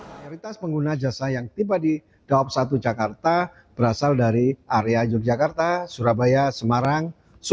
mayoritas pengguna jasa yang tiba di daob satu jakarta berasal dari area yogyakarta surabaya semarang